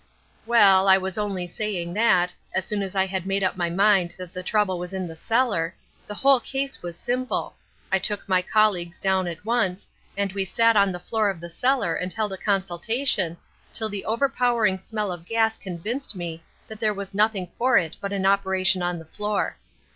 "Well, I was only saying that, as soon as I had made up my mind that the trouble was in the cellar, the whole case was simple. I took my colleagues down at once, and we sat on the floor of the cellar and held a consultation till the overpowering smell of gas convinced me that there was nothing for it but an operation on the floor.